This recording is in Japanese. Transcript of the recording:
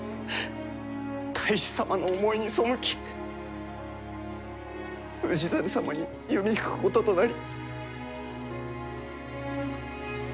太守様の思いに背き氏真様に弓引くこととなり。